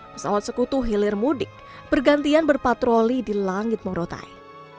pesawat sekutu hilir mudik bergantian berpatroli di langit morotai